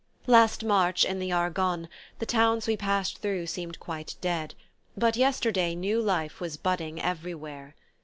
Last March, in the Argonne, the towns we passed through seemed quite dead; but yesterday new life was budding everywhere.